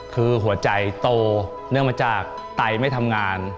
คือหัวใจโตเนื่องมาจากไตไม่ทำงาน